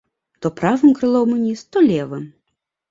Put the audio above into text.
То правым крылом уніз, то левым.